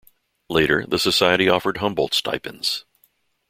Later, the society offered Humboldt stipends.